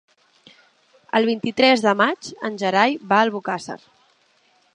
El vint-i-tres de maig en Gerai va a Albocàsser.